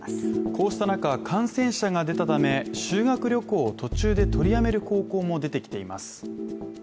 こうした中、感染者が出たため、修学旅行を途中で取りやめる高校も出てきています。